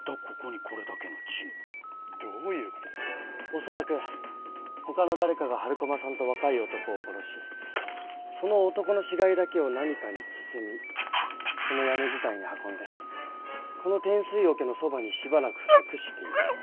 恐らくほかの誰かが春駒さんと若い男を殺しその男の死骸だけを何かに包みこの屋根伝いに運んでこの天水おけのそばにしばらく隠していた。